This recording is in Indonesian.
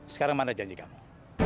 sekarang mana janji kamu